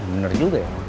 bener juga ya